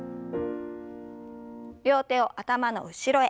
両手を頭の後ろへ。